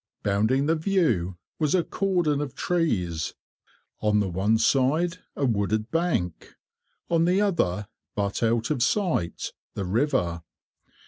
Bounding the view was a cordon of trees; on the one side a wooded bank; on the other, but out of sight, the river.